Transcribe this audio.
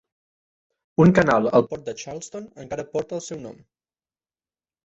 Un canal al port de Charleston encara porta el seu nom.